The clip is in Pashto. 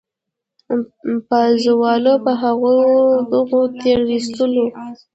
پازوالو په هغو دغو تېرېستلو.